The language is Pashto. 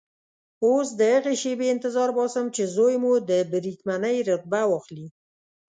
اوس د هغې شېبې انتظار باسم چې زوی مو د بریدمنۍ رتبه واخلي.